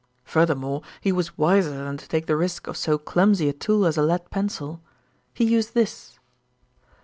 Furthermore, he was wiser than to take the risk of so clumsy a tool as a lead pencil. He used this."